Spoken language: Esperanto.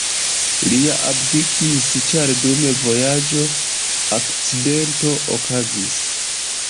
Lia abdikis, ĉar dum vojaĝo akcidento okazis.